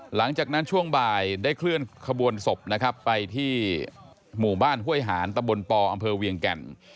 หลังจากนั้นช่วงบ่ายเคลื่อนขบวนศพไปที่หมู่บ้านห้วยหานตะบนปออเวียงกัล